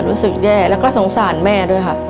รู้สึกแย่แล้วก็สงสารแม่ด้วยค่ะ